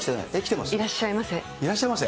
いらっしゃいます。